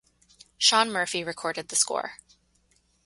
Shawn Murphy recorded the score.